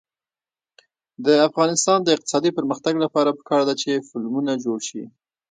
د افغانستان د اقتصادي پرمختګ لپاره پکار ده چې فلمونه جوړ شي.